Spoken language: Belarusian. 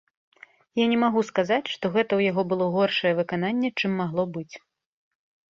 Я не магу сказаць, што гэта ў яго было горшае выкананне, чым магло быць.